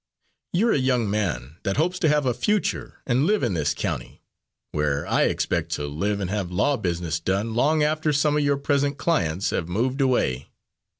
You're a young man, that hopes to have a future and live in this county, where I expect to live and have law business done long after some of your present clients have moved away.